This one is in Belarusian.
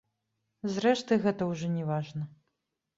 Зрэшты, гэта ўжо не важна.